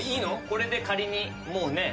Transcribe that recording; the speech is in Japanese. これで仮にもうね。